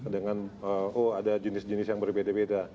dengan oh ada jenis jenis yang berbeda beda